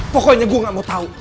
pokoknya gue gak mau tahu